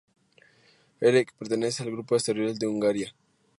Eckert pertenece al grupo asteroidal de Hungaria.